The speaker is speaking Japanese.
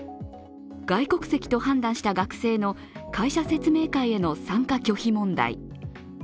外国籍と判断した学生の会社説明会への参加拒否問題。